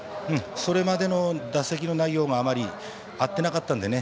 それまでの打席内容があまり合ってなかったのでね。